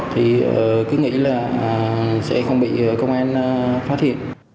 thì cứ nghĩ là sẽ không bị công an phát hiện